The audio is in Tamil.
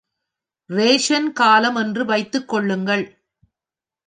ரேஷன் காலம் என்று வைத்துக் கொள்ளுங்கள்.